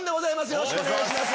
よろしくお願いします。